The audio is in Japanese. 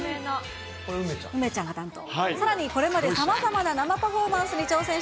梅ちゃんが担当。